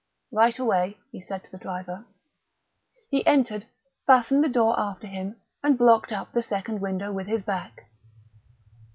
"Right away," he said to the driver. He entered, fastened the door after him, and blocked up the second window with his back.